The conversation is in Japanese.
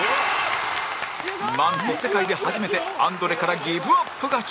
なんと世界で初めてアンドレからギブアップ勝ち